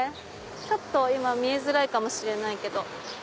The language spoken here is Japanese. ちょっと今見えづらいかもしれないけど。